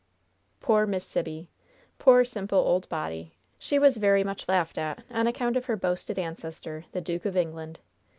Poor Miss Sibby! Poor, simple old body! She was very much laughed at on account of her boasted ancestor, the "Duke of England."